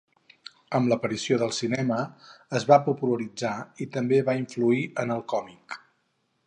Amb l'aparició del cinema es va popularitzar i també va influir en el còmic.